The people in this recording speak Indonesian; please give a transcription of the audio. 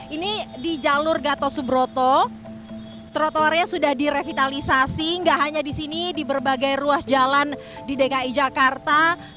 ini di jalur gatot subroto trotoarnya sudah direvitalisasi nggak hanya di sini di berbagai ruas jalan di dki jakarta